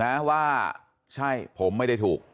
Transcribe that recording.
นะว่าใช่ผมไม่ได้ถูก